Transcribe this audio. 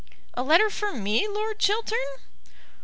"A letter for me, Lord Chiltern!"